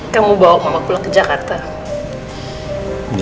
kamu bawa mama pulang ke jakarta